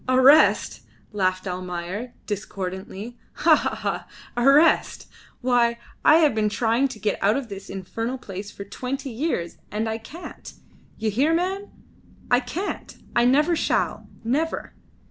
"Arrest!" laughed Almayer, discordantly. "Ha! ha! ha! Arrest! Why, I have been trying to get out of this infernal place for twenty years, and I can't. You hear, man! I can't, and never shall! Never!"